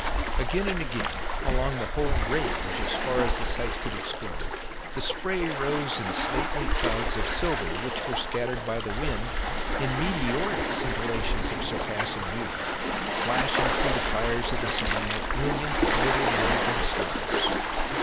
Again and again, along the whole range, far as the sight could explore, the spray rose in stately clouds of silver, which were scattered by the wind in meteoric scintillations of surpassing beauty, flashing through the fires of the sun like millions of little blazing stars.